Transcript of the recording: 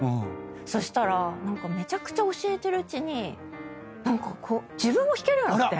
そしたらめちゃくちゃ教えてるうちに自分も弾けるようになって。